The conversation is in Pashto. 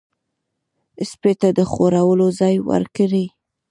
سپي ته د خوړلو ځای ورکړئ.